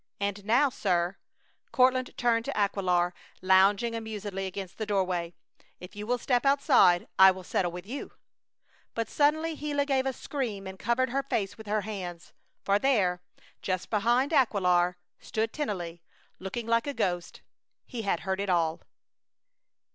And now, sir" Courtland turned to Aquilar, lounging amusedly against the doorway "if you will step outside I will settle with you!" But suddenly Gila gave a scream and covered her face with her hands, for there, just behind Aquilar, stood Tennelly, looking like a ghost. He had heard it all!